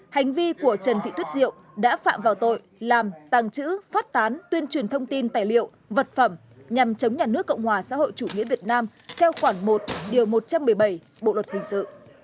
hành vi của trần thị tuyết diệu đã phạm vào tội làm tàng trữ phát tán tuyên truyền thông tin tài liệu vật phẩm nhằm chống nhà nước cộng hòa xã hội chủ nghĩa việt nam theo khoản một điều một trăm một mươi bảy bộ luật hình sự